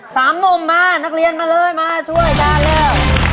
เอาละ๓นมมานักเรียนมาเลยมาช่วยกันเลย